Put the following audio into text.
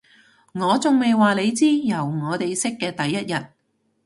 我仲未話你知，由我哋識嘅第一日